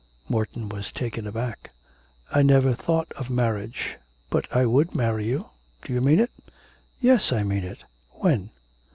Morton was taken aback. 'I never thought of marriage; but I would marry you. Do you mean it?' 'Yes, I mean it.' 'When?'